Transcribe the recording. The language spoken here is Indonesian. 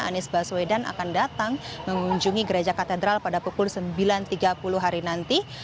anies baswedan akan datang mengunjungi gereja katedral pada pukul sembilan tiga puluh hari nanti